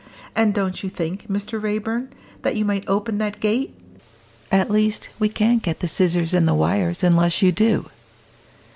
"And don't you think, Mr. Raeburn, that you might open that gate? At least, we can't get the scissors and the wire unless you do."